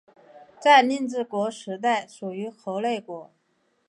在令制国时代属于河内国。